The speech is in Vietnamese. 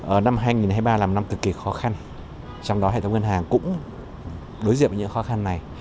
ở năm hai nghìn hai mươi ba là một năm cực kỳ khó khăn trong đó hệ thống ngân hàng cũng đối diện với những khó khăn này